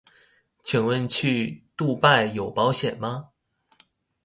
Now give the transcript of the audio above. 請問去杜拜有保險嗎